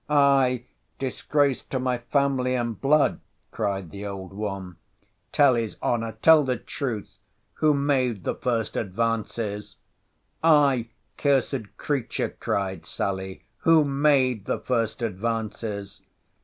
Ay, disgrace to my family and blood, cried the old one—tell his honour—tell the truth!—Who made the first advances?—— Ay, cursed creature, cried Sally, who made the first advances?